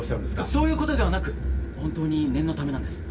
そういうことではなく本当に念のためなんです。